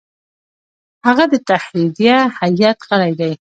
هغه د تحریریه هیئت غړی دی.